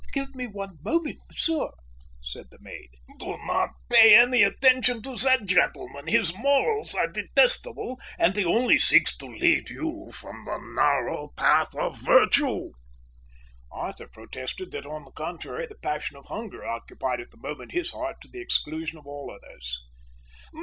"Oh, but give me one moment, monsieur," said the maid. "Do not pay any attention to that gentleman. His morals are detestable, and he only seeks to lead you from the narrow path of virtue." Arthur protested that on the contrary the passion of hunger occupied at that moment his heart to the exclusion of all others.